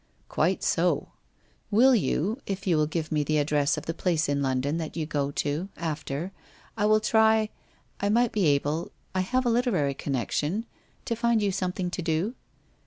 ' Quite so. Will you — if you will give me the address of the place in London that you go to — after — I will try — I might be able — I have a literary connection — to find you something to do